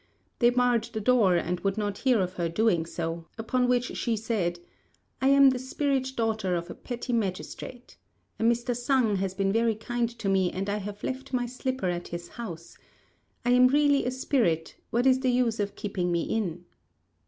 They barred the door and would not hear of her doing so; upon which she said, "I am the spirit daughter of a petty magistrate. A Mr. Sang has been very kind to me, and I have left my slipper at his house. I am really a spirit; what is the use of keeping me in?"